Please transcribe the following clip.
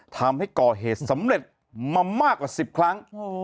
ทำให้ก่อเหตุสำเร็จมามากกว่า๑๐ครั้ง